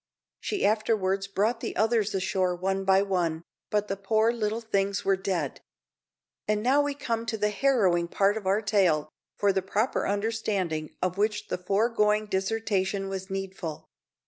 She afterwards brought the others ashore one by one, but the poor little things were dead. And now we come to the harrowing part of our tale, for the proper understanding of which the foregoing dissertation was needful.